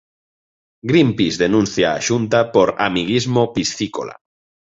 Greenpeace denuncia a Xunta por 'amiguismo piscícola'